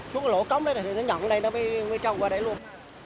xuống cái lỗ cống đấy thì nó nhỏ cái này nó bị trồng qua đấy luôn